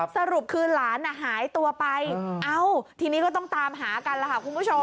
สรุปคือหลานหายตัวไปเอ้าทีนี้ก็ต้องตามหากันล่ะค่ะคุณผู้ชม